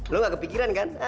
lo enggak kepikiran kan